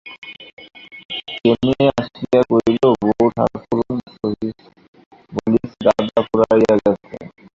খেমি আসিয়া কহিল, বউঠাকরুন, সহিস বলিতেছে দানা ফুরাইয়া গেছে।